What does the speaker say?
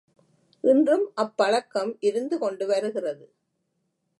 இன்றும் அப்பழக்கம் இருந்து கொண்டு வருகிறது.